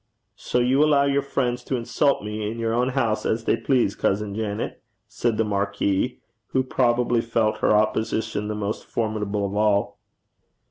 'So you allow your friends to insult me in your own house as they please, cousin Janet?' said the marquis, who probably felt her opposition the most formidable of all.